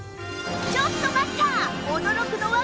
ちょっと待った！